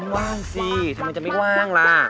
ว่างสิทำไมจะไม่ว่างล่ะ